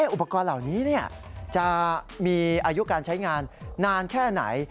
อุปกรณ์เหล่านี้จะมีอายุการใช้งานนานแค่ไหน